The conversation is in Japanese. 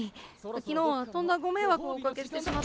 ・昨日はとんだご迷惑をおかけしてしまっ。